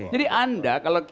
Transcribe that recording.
jadi anda kalau